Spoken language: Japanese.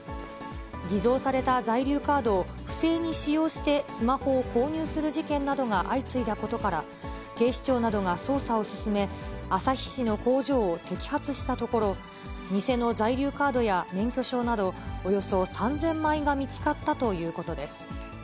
偽造された在留カードを不正に使用して、スマホを購入する事件などが相次いだことから、警視庁などが捜査を進め、旭市の工場を摘発したところ、偽の在留カードや免許証など、およそ３０００枚が見つかったということです。